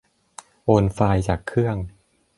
โอนไฟล์จากเครื่อง